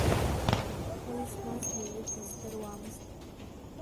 Уи змаз уаҩы диздыруамызт.